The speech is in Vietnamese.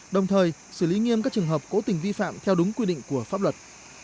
đồng thời xử lý nghiêm các trường hợp cố tình vi phạm theo đúng quy định của pháp luật